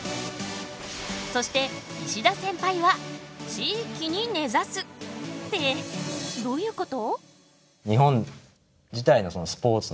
そして石田センパイは「地域に根ざす」！ってどういうこと？